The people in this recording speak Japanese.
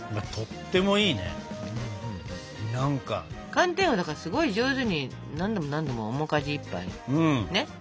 寒天はだからすごい上手に何度も何度も面かじいっぱいねやってたから。